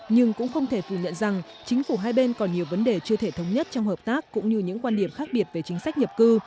nhưng cũng không thể phủ nhận rằng chính phủ hai bên còn nhiều vấn đề chưa thể thống nhất trong hợp tác cũng như những quan điểm khác biệt về chính sách nhập cư